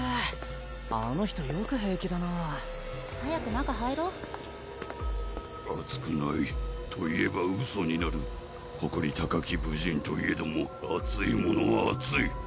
あの人よく平気だな早く中入ろ暑くないといえばウソになるほこり高き武人といえども暑いものは暑い！